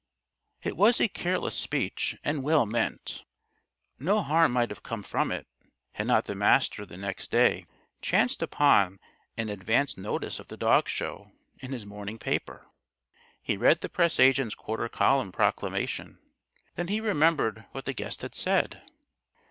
It was a careless speech and well meant. No harm might have come from it, had not the Master the next day chanced upon an advance notice of the dog show in his morning paper. He read the press agent's quarter column proclamation. Then he remembered what the guest had said.